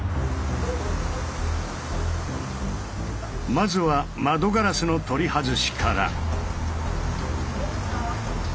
まずは窓ガラスの取り外しから。